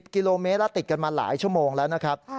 กิโลเมตรแล้วติดกันมาหลายชั่วโมงแล้วนะครับ